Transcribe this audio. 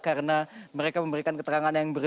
karena mereka memberikan keterangan yang berbeda